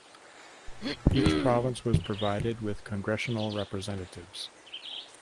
Each province was provided with congressional representatives.